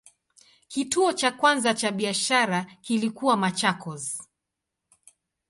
Kituo cha kwanza cha biashara kilikuwa Machakos.